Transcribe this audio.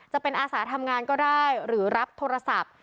จะเป็นอาสาทำงานก็ได้หรือรับโทรศัพท์